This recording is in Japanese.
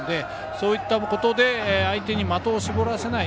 そういったことで相手に的を絞らせない。